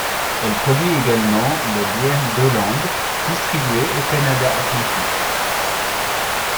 Elle produit également les bières d'Oland, distribuées au Canada atlantique.